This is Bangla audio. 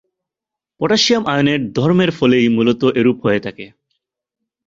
পটাসিয়াম আয়নের ধর্মের ফলেই মূলত এরূপ হয়ে থাকে।